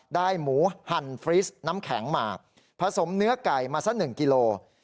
หมูหั่นฟรีสน้ำแข็งหมากผสมเนื้อไก่มาสัก๑กิโล